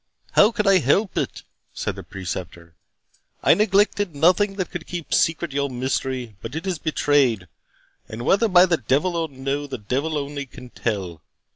"How could I help it?" said the Preceptor. "I neglected nothing that could keep secret your mystery; but it is betrayed, and whether by the devil or no, the devil only can tell.